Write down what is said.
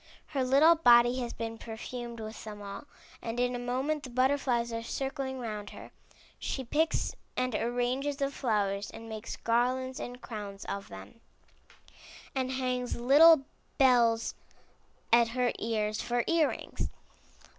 Her little body has been perfumed with them all, and in a moment the butterflies are circling round her. She picks and arranges the flowers, and makes garlands and crowns of them, and hangs little bells at her ears for ear rings.